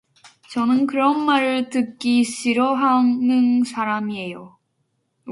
저는 그런 말을 듣기 싫어하는 사람얘요.